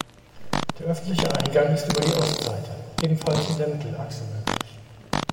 Der öffentliche Eingang ist über die Ostseite, ebenfalls in der Mittelachse möglich.